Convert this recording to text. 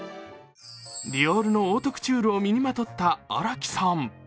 ディオールのオートクチュールを身にまとった新木さん。